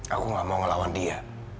aku gak mau ngelawan dia